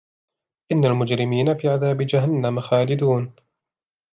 إن المجرمين في عذاب جهنم خالدون